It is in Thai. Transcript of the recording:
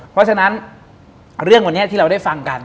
เพราะฉะนั้นเรื่องวันนี้ที่เราได้ฟังกัน